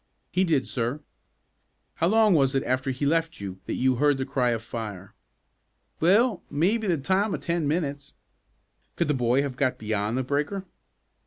"He did, sir." "How long was it after he left you that you heard the cry of fire?" "Well, maybe the time o' ten minutes." "Could the boy have got beyond the breaker?"